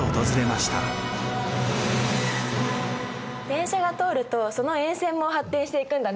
電車が通るとその沿線も発展していくんだね。